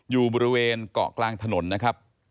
อยู่บริเวณเกาะกลางถนนนะครับ